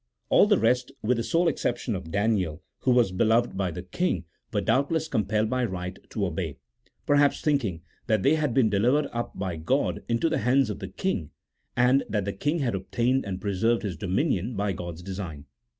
All the rest, with the sole exception of Daniel, who was beloved by the king, were doubtless compelled by right to obey, perhaps thinking that they had been delivered up by God into the hands of the king, and that the king had obtained and pre served his dominion by God's design.